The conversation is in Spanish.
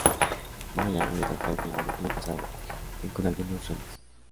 Ma ya había trabajado con la banda en el pasado en con algunos remixes.